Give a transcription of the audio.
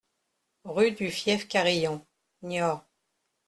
Rue du Fief Carillon, Niort